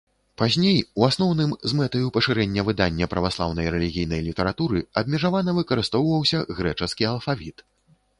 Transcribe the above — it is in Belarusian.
Пазней, у асноўным, з мэтаю пашырэння выдання праваслаўнай рэлігійнай літаратуры, абмежавана выкарыстоўваўся грэчаскі алфавіт.